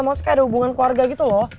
maksudnya ada hubungan keluarga gitu loh